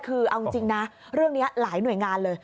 คือเอาจริงนะเรื่องนี้หลายหน่วยงานเลย